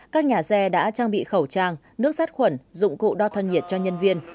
các nhà xe đã trang bị khẩu trang nước sát khuẩn dụng cụ đo thân nhiệt cho nhân viên